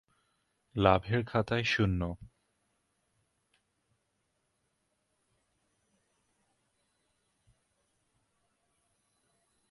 লাভের খাতায় শূণ্য।